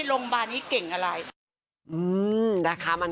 โรงพยาบาลนี้เก่งอะไรนะคะ